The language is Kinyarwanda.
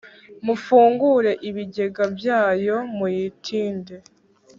Mufungure ibigega byayo muyitinde